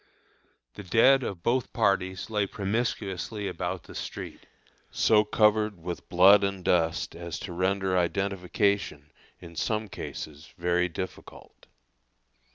The dead of both parties lay promiscuously about the street, so covered with blood and dust as to render identification in some cases very difficult.